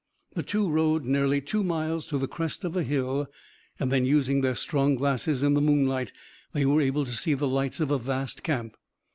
The two rode nearly two miles to the crest of a hill and then, using their strong glasses in the moonlight, they were able to see the lights of a vast camp.